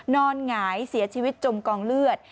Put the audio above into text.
หงายเสียชีวิตจมกองเลือด